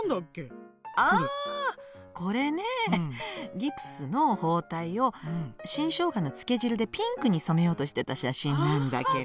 ギプスの包帯を新生姜のつけ汁でピンクに染めようとしてた写真なんだけど。